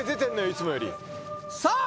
いつもよりさあ